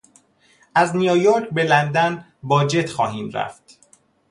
از نیویورک به لندن با جت خواهیم رفت.